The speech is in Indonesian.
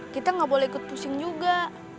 kita nggak boleh ikut pusing juga